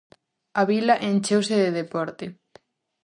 A vila encheuse de deporte.